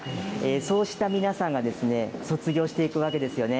そうした皆さんが卒業していくわけですよね。